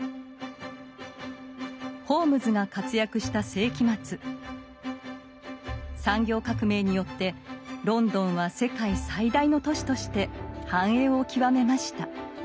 ホームズが活躍した世紀末産業革命によってロンドンは世界最大の都市として繁栄を極めました。